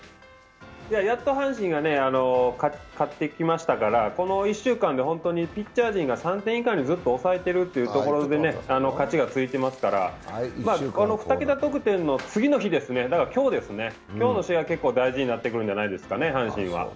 やっと阪神が勝ってきましたからこの１週間で本当にピッチャー陣が３点以下にずっと抑えてるというところで、勝ちが増えていますから、この２桁得点の次の日、今日の試合、結構大事になってくるんじゃないですかね、阪神は。